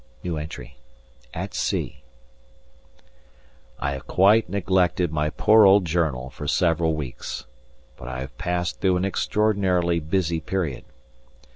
At sea. I have quite neglected my poor old journal for several weeks. But I have passed through an extraordinarily busy period.